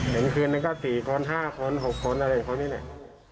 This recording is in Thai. เห็นคืนนั้นก็๔ค้อน๕ค้อน๖ค้อนอะไรค้อนนี้แหละ